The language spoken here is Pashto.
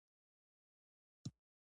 کمې ګټې نرخونو پانګه حداقل عواید لري.